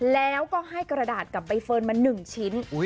แล้วก็ให้กระดาษกับใบเฟิร์นมา๑ชิ้น